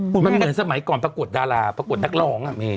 มันเหมือนสมัยก่อนประกวดดาราประกวดนักร้องอ่ะเม